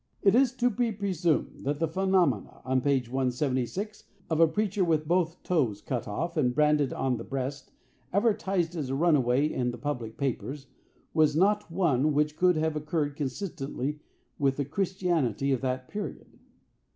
It is to be presumed that the phenomenon, on page 176, of a preacher with both toes cut off and branded on the breast, advertised as a runaway in the public papers, was not one which could have occurred consistently with the Christianity of that period.